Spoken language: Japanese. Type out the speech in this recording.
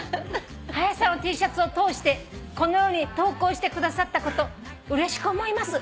「『はや朝』のＴシャツを通してこのように投稿してくださったことうれしく思います」